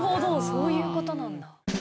そういう事なんだ。